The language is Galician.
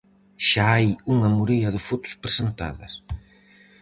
Xa hai unha morea de fotos presentadas.